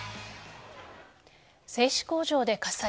製紙工場で火災。